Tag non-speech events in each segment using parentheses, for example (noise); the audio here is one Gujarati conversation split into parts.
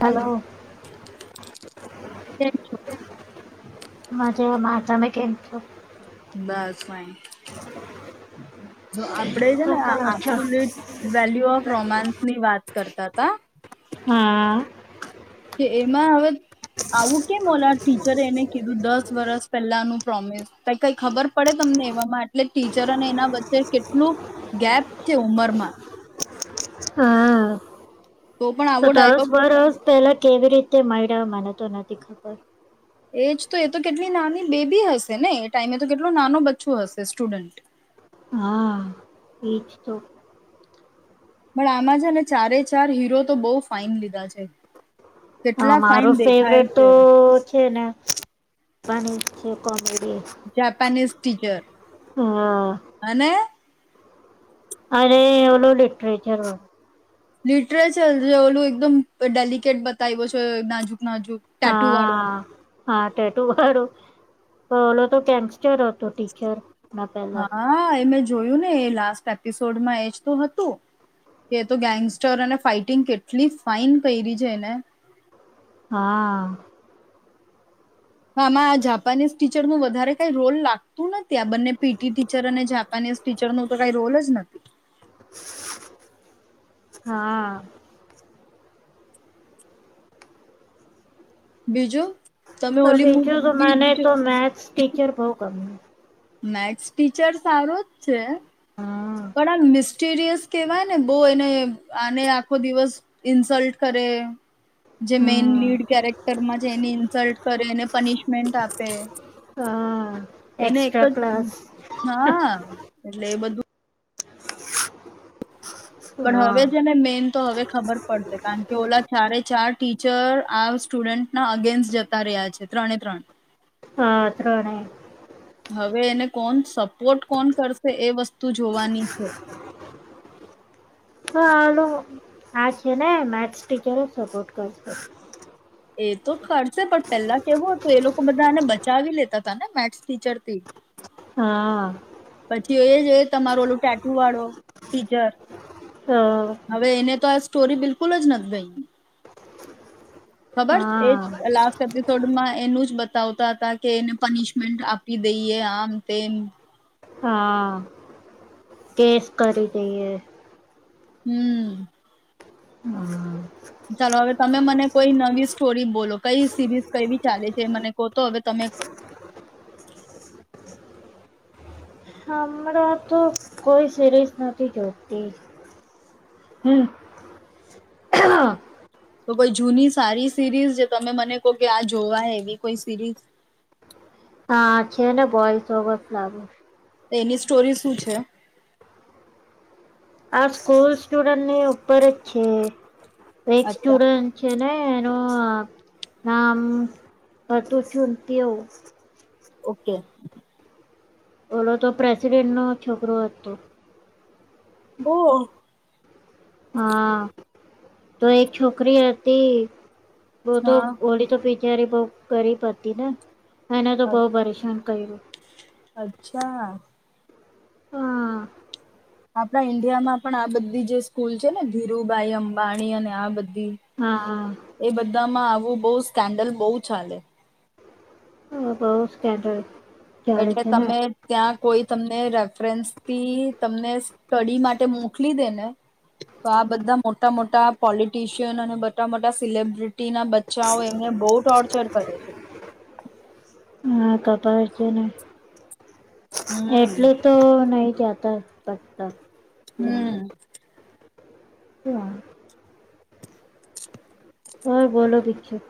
હલો, કેમ છો? મા માતામે (unintelligible) બસ ભ જો આપડે છે શું ને કરો છો આપસુલટ વેલ્યુ ઓફ રોમાન્સ ની વાત (unintelligible) કરતા હતા. હા. કે એમાં હવે આવું કેમ ઓલા ટીચરે એને કીધું દસ વર્ષ પહેલાનું પ્રોમિસ, ક કઈ ખબર પડે તમને એવામાં એટલે ટીચર અને એના વચ્ચે કેટલું, ગેપ છે ઉમરમાં. હા. તો પણ આવો દસ ડાયલોગ વરસ પેલા કેવી રીતે મળયા મને તો નથી ખબર. એજ તો એ તો કેટલી નાની બેબી હશે ને એ ટાઈમે તો કેટલો નાનો બચ્ચો હશે સ્ટુડન્ટ. હા એજ તો. પણ આમાં છે ને ચારે ચાર હીરો તો બહુ ફાઈન લીધા છે. હા કેટલા ફાઇન મારું દેખાય ફેવરેટ તો છે. છે ને. નીચ છે (unintelligible) જાપાનીઝ ટીચર, હા અને અરે એવલો લિટરેચર વા લિટરેચર જે ઓલું એકદમ ડેલિકેટ બતાવ્યો છે. નાજુક ટાટુ વાળો હા, હા ટેટૂ વાળો. હા ઓલો તો ગેંગસ્ટર હતો ટીચર. ના પેલા હા એમેજ જોયું ને એ લાસ્ટ એપિસોડમાં એજ તો હતું, કે તો ગેંગસ્ટરને ફાઈટિંગ કેટલી ફાઈન કરી છે એને. હા આમાં આ જાપાનીઝ ટીચર નું વધારે કઈ રોલ લાગતું નથી આ બંને પીટી ટીચર અને જાપાનીઝ ટીચર ન તો કઈ રોલ જ નથી (inaudible) હા બીજું તમે તો ઓલી બીજુ તો મૂવી માને તો મેથસ ટીચર બહુ ગમે મેથસ ટીચર સારુ જ છે હા પણ આમ મિસ સીરિયસ કેવાય ને બહુ એને આને આખો દિવસ ઇન્સલ્ટ કરે જે મેન હમ લીડ કેરેક્ટરમાં છે એને ઇન્સલ્ટ કરે એને પનિશમેન્ટ આપે હા એને એક એક્સ્ટ્રા જ ક્લાસ હા, એટલે એ બધું પણ હા હવે છે ને મેન તો હવે ખબર પડશે કારણ કે ઓલા ચારે ચાર ટીચર આ સ્ટુડન્ટના અગેન્સ્ટ જતા રહ્યા છે ત્રણે, ત્રણ હા, અ ત્રણેય હવે એને કોણ સપોર્ટ કોણ કરશે એ વસ્તુ જોવાની છે (unintelligible) હા છે ને તેને મેથ્સ ટી જ સપોર્ટ કરશે એ તો કરશે પણ પેલા કેવું હતું એ લોકો બધા એને બચાવી લેતા હતાા ને મેથ્સ ટીચરથી હા જોયો-જોયો તમારો ઓલું ટેટુ વાળો ટીચર તો હવે એને તો આ સ્ટોરી બિલકુલ જ નથ ગઈ ખબર એજ હા લાસ એપિસોડમાં એનું જ બ વતા હતા કે એને પનિશમેન્ટ આપી દઈએ આમ તેમ હા કેસ કરી દઈએ હમ ચાલો હવે તમે મને કોઈ નવી સ્ટોરી બોલો કઈ સિરીઝ કવી ચાલે છે મને કહો તો હવે તમે કહ હમણાં તો કોઈ સિરીઝ નથી જોકતી હમ તો કોઈ જૂની સારી સિરીઝ જે તમે મને કહો કે આ જોવાય એવી કોઈ સિરીઝ હા, છે ને બોયસ ઓગસ લાગ એની સ્ટોરી શું છે આ સ્કૂલ સ્ટુડન્ટ ને ઉપર જ છે એક અચ્છા સ્ટુડન્ટ છે ને એનું નામ (unintelligible) કરતું શું એવું ઓકે ઓલો તો પ્રેસિડેન્ટ નો છોકરો હતો હતો ઓ હા, તો એક છોકરી હતી વો તો હા ઓડી તો પી ત્યારે બહુ ગરીબ હતી ને એને તો બહુ પરેશાન કર્યું અચ્છા હા આપણા ઈન્ડિયામાં પણ આ બધી જે સ્કૂલ છે ને ધીરુભાઈ અંબાણી અને આ બધ હા એ બધા માં આવ એ બહ સ્કેન્ડલ બહુ ચાલે હ બહુ સ્કેન્ડલ ચાલે એટલે છે ને તમે ત્યાં કોઈ તમને રેફરન્સથી તમને સ્ટડી માટે મોકલી દે ને તો આ બધા મોટા મોટા પોલિટીશિયન અને મટા મોટા સિલબ્રિટીના બચ્ચાઓ એમને બહુ ટોર્ચર કરે છે હા, કરતા હશે ને. હમ એટલું તો નહી જત પતા હમ હ (unintelligible) હ બોલો બીજું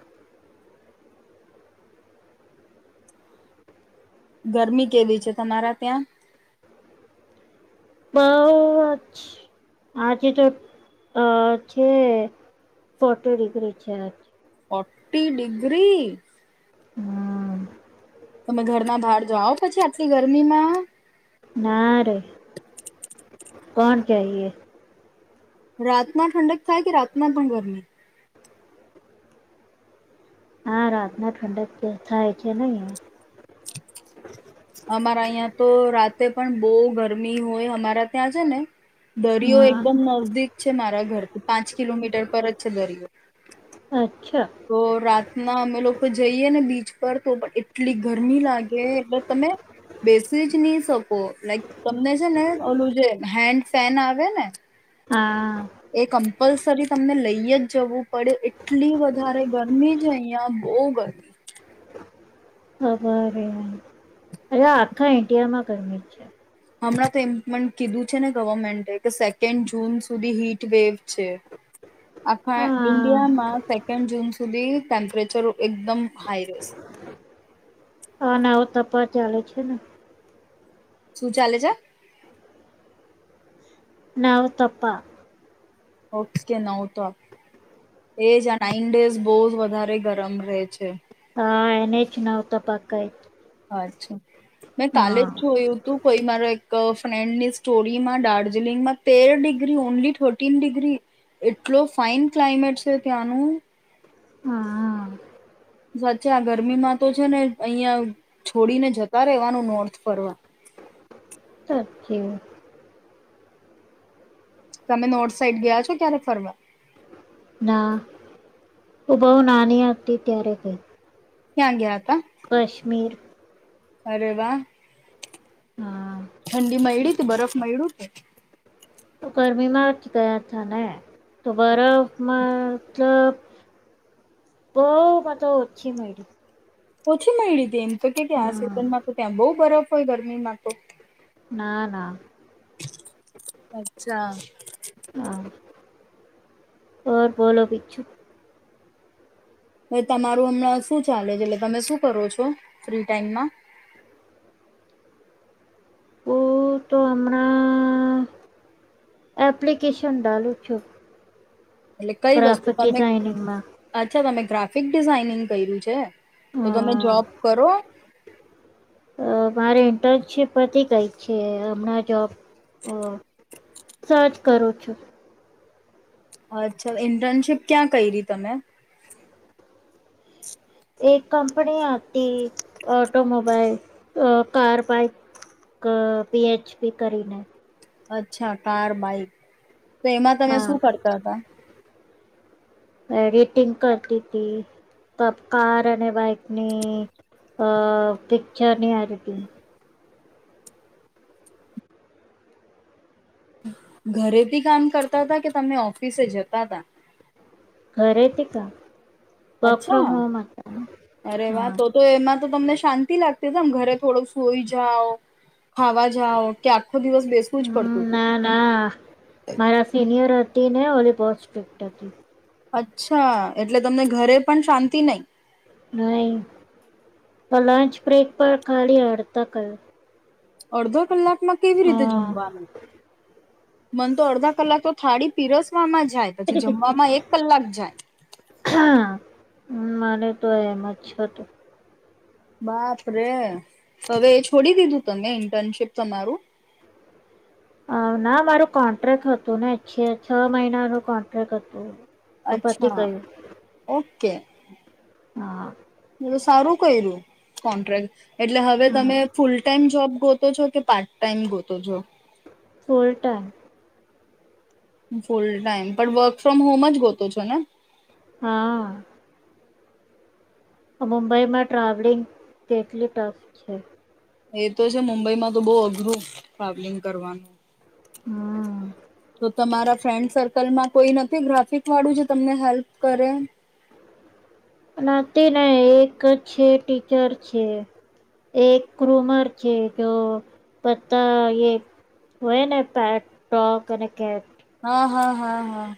ગરમી કેવી છે તમારા ત્યાં બહુંઅ જ આજે તો અ છે, ફોર્ટી ડિગ્રી છે ફોર્ટી ડિગ્રી હમ તમે ઘરના બહાર જાઓ પછી આટલી ગરમીમાં ના રે કોણ કે એ રાતના ઠંડક થાય કે રાતના પણ ગરમી હા રાત ના ઠંડક જ થાય છે ને અહીયા અમારા અહં તો રાતે પણ બહુ ગરમી હોય અમારા ત્યાં છે ને દરિયો હા એકદમ નજદીક છે મારા ઘર પાંચ કિલોમીટર પર જ છે દરિયો અચ્છા ના અમે લોકો જઈએ ને બીચ પર તો પણ એટલી ગરમી લાગે તમે બેસી જ નહી શકો લાઈક તમને છે ને ઓલું જે હેન્ડ ફેન આવે ને હા એ કમ્પલસરી તમને લઈ જ જવું પડ્યું એટલી વધારે ગરમી છે અહીંયા બહુ ગરમી ખબર અરે આખા ઇડિયામાં ગરમી જ છે હમણાં તો એમ પણ કીધું છે ને ગવર્મેન્ટે કે સેકન્ડ જૂન સુધી હીટવેેવ છે આખા હા ઇન્ડિયામાં સેકન્ડ જૂન સુધી ટેમ્પરેચર એકદમ હાઈ રહેશે હા, ના આવ તપ ચાલે છે ને શું ચાલે છે નવ તપા ઓ કે નવ તપ, એજ આ નાઈન ડેઝ બહ જ વધારે ગરમ રહે છે હા એને જ નવતાપા કહે છે અચ્છા મેં કાલે જ જોયું તું કોઈ મારો ફ્રેન્ડની સ્ટોરીમાં દાર્જિલિંગમાં તેર ડિગ્રી ઓનલી થર્ટીન ડિગ્રી એટલો ફાઈન ક્લાઇમેટ છે ત્યાંનું હા સાચે આ ગરમીમાં તો છે ને અહિયાં છોડીને જતા રહેેવાનું નોર્થ ફરવા કયુ તમે નોર્થ સાઈડ ગયા છો ક્યારે ફરવા ના, હુ બઉ નાની હતી ત્યારે ગઈ ક્યાં ગયા હતા કાશ્મીર અરે વાહ. હા ઠંડી મયડી બરફ મયાડુ કે. ગરમીમાં જ ગયા તા ને તો બરફમાં મતલબ બહ મધ ઓછી મળી. પછી માંડી દે તો કે આ હમ સિઝનમાં તો ત્યાં બહુ બરફ કોઈ ગરમી માતો. ના ના. અચ્છા. હા ઓર બોલો બીજું? હ તમારું હમણાં શું ચાલે છે? એટલે તમે શું કરો છો ફ્રી ટાઈમમાં? ઓ તો હણા એપ્લિકેશન ડાલું છું. એટલે કઈ વસ્તુ ગ્રાફિક તમે ડિઝાઇનિંગમાં અચ્છા તમે ગ્રાફિક ડિઝાઇનિંગ કર્યું છે. તો તમે હમ જોબ કરો. અ મારે ઇન્ટર્નશીપ હતી કઈ છે હમણાં જોબ અ સર્ચ કરું છું. અચ્છા ઇન્ટર્નશીપ ક્યાં કરી તમે? એક કંપની આપતી ઓટોમોબાઈલ, કાર, બાઇક પીએચપી કરીને. અચ્છા કાર બાઇક. તો એમાં તમે હા શું કરતા હતા? એડિટિંગ કરતી હતી કાર અને બાઈકની અ પિક્ચરની એટલે ઘરેથી કામ કરતા હતા કે તમને ઓફિસે જતા હતા. ઘરેથી કામ અચ્છા. અરે વાહ હા તો તો એમાં તમને શાંતિ લાગતી હશે? ઘરે થોડું સઈ જાઓ ખાવા જઓ કે દિવસ બેસવું જ હમ પડતું હતું. ના ના મારા સિનિયર હતીને ઓલી પસફેક્ટથી અચ્છા એટલે તમને ઘરે પણ શાંતિ નહીં. નહી લંચ બ્રેક પર ખાલી હડધા કલાક અડધો કલાક માં કેવી રીતે જમવાનું મન તો અડધા કલાક તો થાળી પીરસવામાં જ જાય પછી જમવામાં એક કલાક જાય હમ મારે તો એમ જ હતું. બાપરેે હવે એ છોડી દીધું તમે ઇન્ટર્નશીપ તમારું હ ના મારું કોન્ટ્રાક્ટ હતુંને છે છ મહિના ન કોન્ટ્રાક્ટ હતું. તો પતી અચ્છા ગયું ઓકે. હા એ તો સારું કર્યું કોન્ટ્રાક્ટ. એટલે હવે હા તમે ફૂલ ટાાઈમ જોબ? ગોતો છો કે પાર્ટ ટાઈમ ગોતો છો? Full time. ફૂલ ટાઈમ પણ વર્ક ફ્રોમ હોમ જ ગોતો છો ને? હા મુંબઈમાં ટ્રાવેલિંગ કેટલી ટફ છે. એ તો છે મુંબઈમાં તો બહ અઘરું ટ્રાવેલિંગ કરવાનું. હમ્મ. તો તમારા ફ્રેન્ડ સર્કલમાં કોઈ નથી ગ્રાફિક વાળું જે તમને હેલ્પ કરે? નથીને એક છે ટીચર છે, એક ક્રૂમર છે, જો પતા હોયને પેટ ટોક અને કેટ. હા, હા, હા, હા.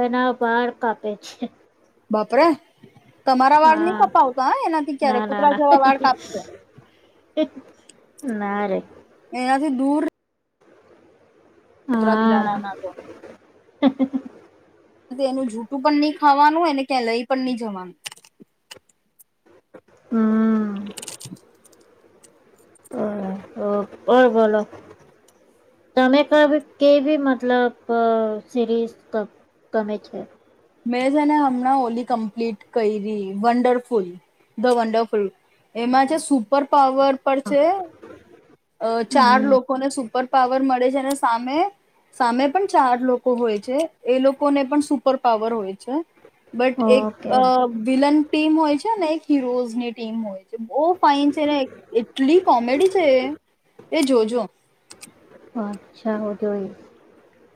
તનાવ બહાર કાપે છે. બાપરા. તમારા વાળ નહી હા કપાવતા હા એનાથી ક્યારે ના ના કૂતરા ના જેવા વાળ કાપશે. (inaudible) એનાથી દૂર. કૂતરા બિલાડા હા ના તો. (unintelligible) એનું જૂઠું પણ નહી ખાવાનું એને ક્યાં લઈ પણ નહી જવાનું. હમ્મ. બોલો તમે ક કે ભી મતલબ સિરીઝ ગમે છે? મેં છેને હમણાં હોલી કમ્પ્લીટ કરી વંડરફુલ ધ વંડરફુલ એમાં છે સુપર પાવર પર છે ચાર હમ લોકોને સુપર પાવર મળે છે અને સામે સામે પણ ચાર લોકો હોય છે એ લોકોને પણ સુપર પાવર હોય છે. બટ એક ઓકે વિલન ટીમ હોય છે. એક હીરોઝ ની ટીમ હોય છે. બો ફાઈન છે ને એટલી. કોમેડી છે એ જોજો. અચ્છા હું જોઈશ.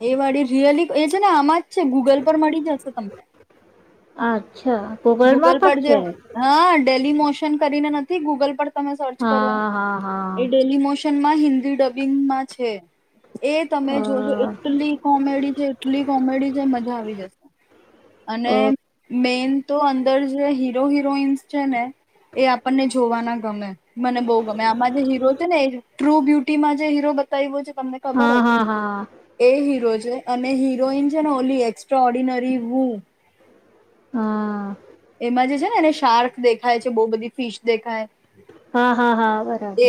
એ વાડી વાડીનો રિયલી એ છે ને આમાં જ છે ગૂગલ પર મળી જશે તમને.. આજે. ગૂગલ પર જે હા ડે ડેલીમોશન કરીને નથી ગૂગલ પર. તમે સર્ચ કરો હા હા એ હા ડેલીમોશન માં હિન્દી ડબિંગમાં છે. એ તમે અ જોજો એટલી કોમેડી છે એટલી કોમેડી છે મજા આવી જશ ઓ અને. મેન. તો અંદર જે હીરો હિરોઈન્સ છે ને એ આપણને જોવાના ગમે મને બહુ ગમે આમાં જે હીરો છે ને એ ટ્રુ બ્યુટીમાં જે હીરો બતાવ્યો છે. તમને ખબર હા જ હા હા એ હીરો. અને હિરોઈન છે ને ઓલી એક્સ્ટ્રા ઓર્ડિનરી વું હા એમાં જે છે ને એને શાર્ક દેખાય છે બહુ બધી ફીશ દેખાય. હા હા હા.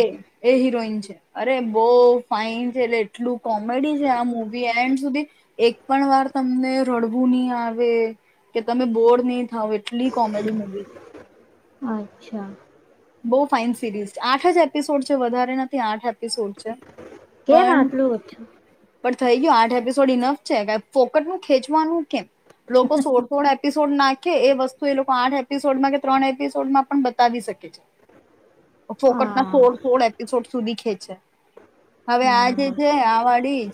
એ એ હિરોઈન છે. અરે બઉ ફાઈન છે એટલે એટલું કોમેડી છે આ મુવી એન્ડ સુધી એક પણ વાર તમને રડવું નહી આવે કે તમે બોર નહી થાવ એટલી કોમેડી મુવી છ અચ્છા બઉ ફાઇન સિરીઝ છે આઠ જ એપિસોડ છે વધારે નથી આઠ એપિસોડ છે. કેમ પણ આટલું ઓછું પણ થઈ ગયુ આઠ એપિસોડ ઇનફ છે ફોકટ નું ખેંચવાનું કેમ લોકો સોડ સોડ એપિસોડ નાખે એ વસ્તુ એ લોકો આઠ એપિસોડમાં કે ત્રણ એપિસોડમાં પણ બતાવી શકે છે. ફોકટના હા સોળ સોળ એપિસોડ સુધી ખેચે હવે આ જે હા છે આ વાડી જ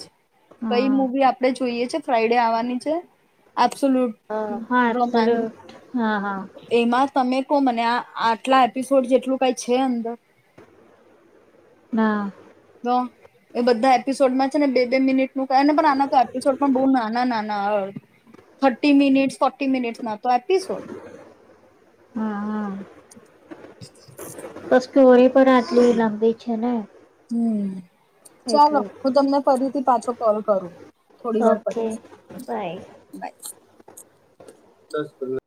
કઈ હા મુવી આપડે જોઈએ છે ફ્રાઈડે આવવાની છે. આજ હા હા એબ્સોલ્યુટ હા હા (unintelligible) એમાં તમે કો મને આ આટલા. એપિસોડ જેટલું કઈ છે અંદર ના. તો એ બધા એપિસોડમાં છે ને બે બે મિનિટનું કહે ને પણ આના કરતા એપિસોડ પણ બઉ નાના નાના હોય થર્ટી મિનિટસ ફોર્ટી મિનિટસ ના તો એપિસોડ. હા હા (inaudible) સ્ટોરી પણ આટલી લાંબી છે ને. હમ. ચાલો એટલું હું તમને ફરીથી પાછો. ફલ કરું. થોડી વાર ઓકે, પછી બાય. દસ પંદર